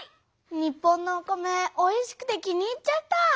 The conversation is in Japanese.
日本のお米おいしくて気に入っちゃった！